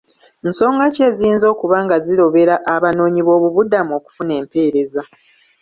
Nsonga ki eziyinza okuba nga zirobera abanoonyi b'obubudamu okufuna empeereza.